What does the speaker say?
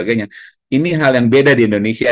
ini hal yang beda di indonesia